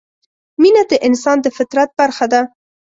مینه د انسان د فطرت برخه ده.